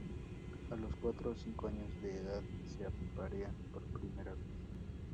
A los cuatro o cinco años de edad se aparean por primera vez.